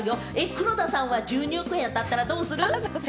黒田さんは１２億円当たったらどうする？